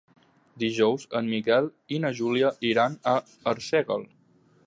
Dijous en Miquel i na Júlia iran a Arsèguel.